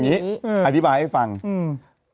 แต่อาจจะส่งมาแต่อาจจะส่งมา